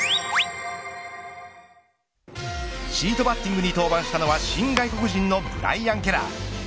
シートバッティングに登板したのは新外国人のブライアン・ケラー。